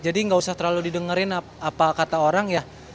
jadi gak usah terlalu didengerin apa kata orang